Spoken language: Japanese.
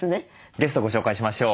ゲストをご紹介しましょう。